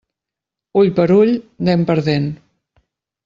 Ull per ull, dent per dent.